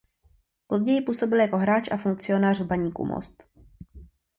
Později působil jako hráč a funkcionář v Baníku Most.